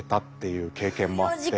いう経験もあって。